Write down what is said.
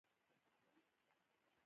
• علم د ټولنې د پرمختګ اساس دی.